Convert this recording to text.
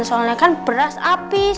soalnya kan beras habis